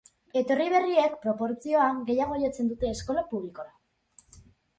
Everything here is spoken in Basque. Etorri berriek, proportzioan, gehiago jotzen dute eskola publikora.